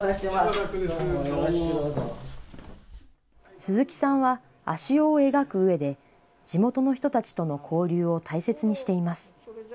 鈴木さんは足尾を描くうえで、地元の人たちとの交流を大切にしています。